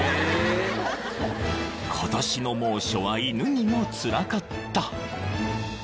［今年の猛暑は犬にもつらかった］